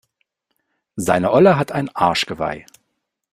Seine Olle hat ein Arschgeweih.